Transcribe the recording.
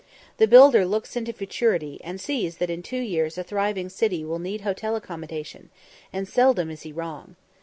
The builder looks into futurity, and sees that in two years a thriving city will need hotel accommodation; and seldom is he wrong.